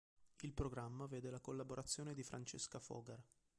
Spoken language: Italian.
Il programma vede la collaborazione di Francesca Fogar.